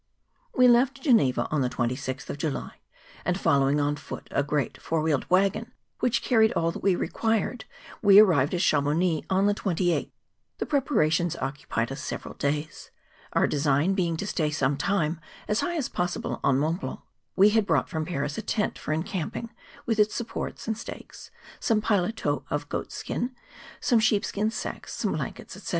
We left Greneva on the 26th of July, and follow¬ ing on foot a great four wheeled waggon which carried all that we required, we arrived at Cha mounix on the 28th. The preparations occupied us several days. Our design being to stay some time as high as possible on Mont Blanc, we had brought from Paris a tent for encamping, with its supports and stakes, some paletots of goats' skin, some sheep¬ skin sacks, some blankets, &c.